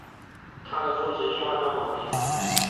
他的父亲是二战老兵。